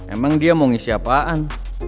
emang dia mau ngisi apaan